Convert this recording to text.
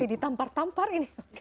seperti ditampar tampar ini